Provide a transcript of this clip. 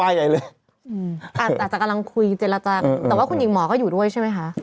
อาจจะกำลังคุยเจรจากันแต่ว่าคุณหญิงหมอก็อยู่ด้วยใช่ไหมคะ